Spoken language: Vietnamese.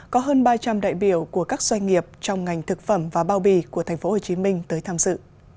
có hơn ba trăm linh đại biểu của các doanh nghiệp trong ngành thực phẩm và bao bì của tp hcm tới tham dự